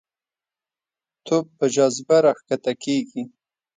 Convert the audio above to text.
توپ په جاذبه راښکته کېږي.